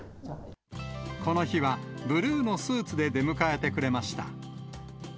この日はブルーのスーツで出迎えてくれました。